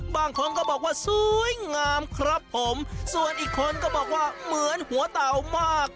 บางคนก็บอกว่าสวยงามครับผมส่วนอีกคนก็บอกว่าเหมือนหัวเต่ามาก